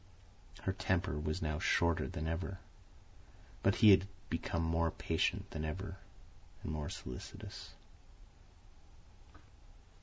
Her temper was now shorter than ever; but he had become more patient than ever and more solicitous.